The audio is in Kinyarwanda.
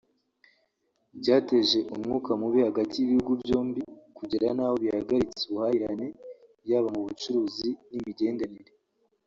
byateje umwuka mubi hagati y’ibihugu byombi kugera n’aho bihagaritse ubuhahirane yaba mu bucuruzi n’imigenderanire